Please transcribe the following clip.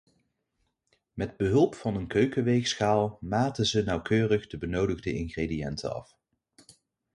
Met behulp van een keukenweegschaal maten ze nauwkeurig de benodigde ingrediënten af.